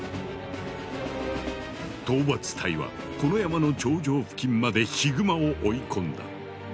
討伐隊はこの山の頂上付近までヒグマを追い込んだ。